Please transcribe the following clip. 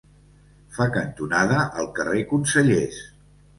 Fa cantonada al carrer Consellers.